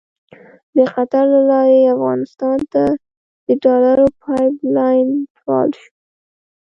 د قطر له لارې افغانستان ته د ډالرو پایپ لاین فعال شو.